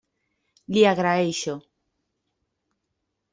L'hi agraeixo.